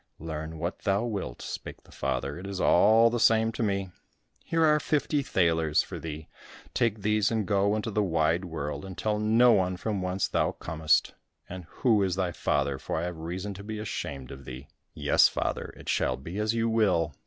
"Learn what thou wilt," spake the father, "it is all the same to me. Here are fifty thalers for thee. Take these and go into the wide world, and tell no one from whence thou comest, and who is thy father, for I have reason to be ashamed of thee." "Yes, father, it shall be as you will.